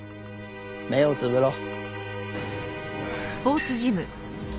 目をつぶろう。